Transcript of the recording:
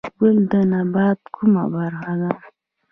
ګل د نبات کومه برخه ده؟